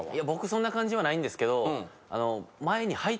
僕そんな感じはないんですけど。